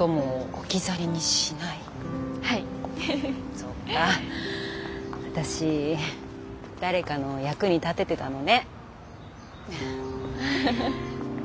そっか私誰かの役に立ててたのね。